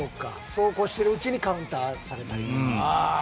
そうこうしてるうちにカウンターされたり。